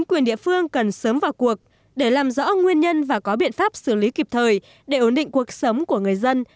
quyền địa phương cần sớm vào cuộc để làm rõ nguyên nhân và có biện pháp xử lý kịp thời để ổn định cuộc sống của người dân